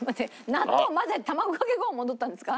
納豆混ぜて卵かけご飯戻ったんですか？